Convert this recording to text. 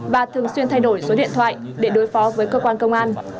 bà thường xuyên thay đổi số điện thoại để đối phó với cơ quan công an